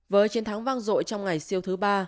với chiến thắng vang dội trong ngày siêu thứ ba